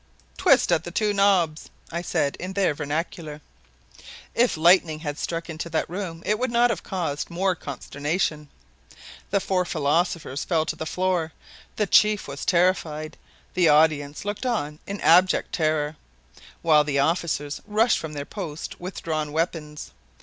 "Twist at the two knobs," I said in their vernacular. If lightning had struck into that room, it would not have caused more consternation. The four philosophers fell to the floor, the chief was terrified, the audience looked on in abject terror, while the officers rushed from their post with drawn weapons.